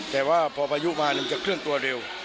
แต่ว่าพอพายุมามันจะเคลื่อนตัวเร็ว